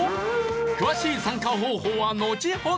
詳しい参加方法はのちほど。